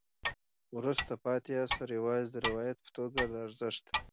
وروسته پاتې عصر یوازې د روایت په توګه د ارزښت دی.